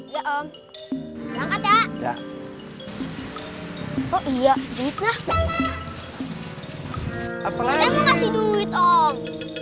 ya om bangkat ya oh iya kita apalah kita mau ngasih duit om